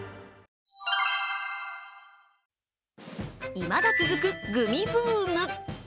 いまだ続くグミブーム。